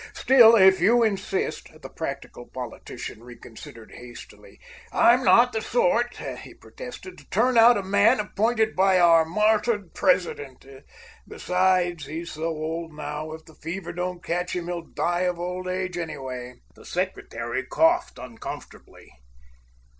Still, if you insist——" The practical politician reconsidered hastily. "I'm not the sort," he protested, "to turn out a man appointed by our martyred President. Besides, he's so old now, if the fever don't catch him, he'll die of old age, anyway." The Secretary coughed uncomfortably.